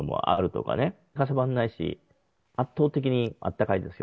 かさばらないし、圧倒的にあったかいですよ。